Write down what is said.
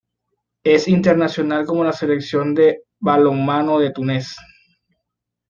Es internacional con la Selección de balonmano de Túnez.